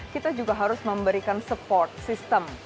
kita juga harus memberikan support system